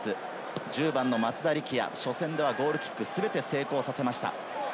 １０番の松田力也、初戦ではゴールキックを全て成功させました。